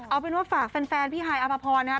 เอาเป็นว่าฝากแฟนพี่ฮายอภพรนะฮะ